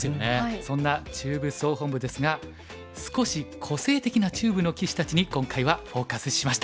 そんな中部総本部ですが少し個性的な中部の棋士たちに今回はフォーカスしました。